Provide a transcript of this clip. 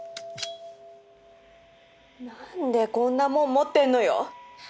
何でこんなもん持ってんのよ？